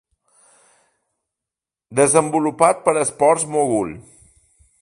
Desenvolupat per Sports Mogul.